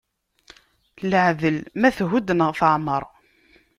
Iaɛdel ma thudd neɣ teɛmeṛ.